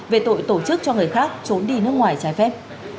về tội tổ chức cho người khác trốn đi nước ngoài trái phép